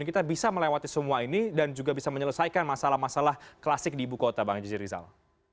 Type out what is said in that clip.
kita bisa melewati semua ini dan juga bisa menyelesaikan masalah masalah klasik di ibu kota bang jj rizal